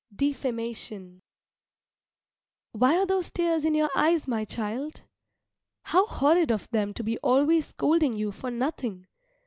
DEFAMATION Why are those tears in your eyes, my child? How horrid of them to be always scolding you for nothing?